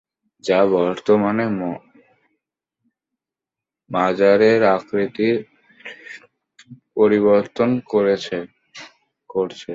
যা বর্তমানে মাজারের আকৃতির পরিবর্তন করছে।